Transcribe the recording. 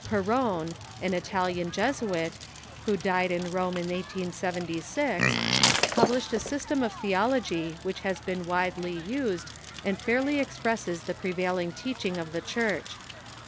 Perrone, an Italian Jesuit, who died in Rome in 1876, published a system of theology which has been widely used, and fairly expresses the prevailing teaching of the Church.